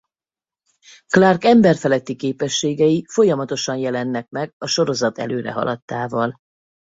Clark emberfeletti képességei folyamatosan jelennek meg a sorozat előrehaladtával.